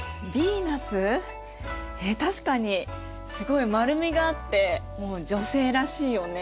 えっ確かにすごい丸みがあってもう女性らしいよね。